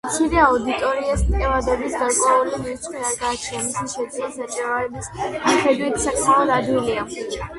მცირე აუდიტორიას ტევადობის გარკვეული რიცხვი არ გააჩნია, მისი შეცვლა საჭიროების მიხედვით საკმაოდ ადვილია.